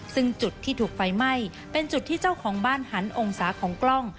ซึ่งจุดที่ถูกไฟไหม้เป็นจุดที่เจ้าของบ้านหันองศาของกล้อง